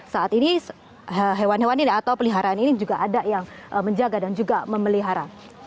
saat ini hewan hewan ini atau peliharaan ini juga ada yang menjaga dan juga memelihara